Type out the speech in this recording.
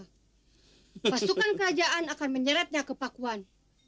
pasukan kerajaan akan menyeretnya ke pakuan